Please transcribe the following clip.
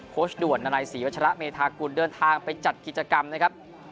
ด่วนนาลัยศรีวัชระเมธากุลเดินทางไปจัดกิจกรรมนะครับ